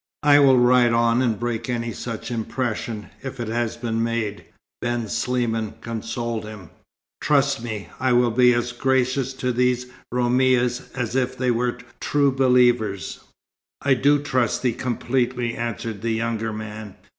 "I will ride on and break any such impression if it has been made," Ben Sliman consoled him. "Trust me. I will be as gracious to these Roumis as if they were true believers." "I do trust thee completely," answered the younger man.